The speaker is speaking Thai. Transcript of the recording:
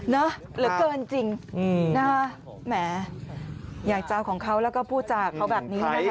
อ๋อเนอะเหลือเกินจริงแหมอยากเจ้าของเขาแล้วก็พูดจากเขาแบบนี้นะครับ